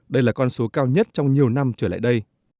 đây là con số cao nhất trong nhiều năm trở lại đây